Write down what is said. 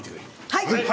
はい！